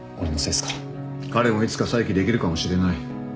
彼もいつか再起できるかもしれない。